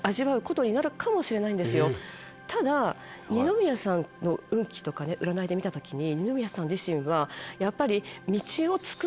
ただ二宮さんの運気とか占いで見た時に二宮さん自身はやっぱり。